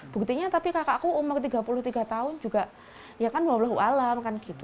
berikutnya tapi kakakku umur tiga puluh tiga tahun juga ya kan wablahualam kan gitu